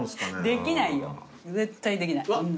できないよ絶対できない。